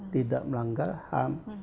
tidak melanggar ham